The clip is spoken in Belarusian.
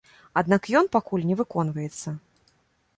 Аднак ён пакуль не выконваецца.